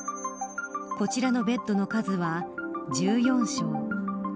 こちらのベッドの数は１４床。